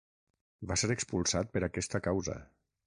Va ser expulsat per aquesta causa.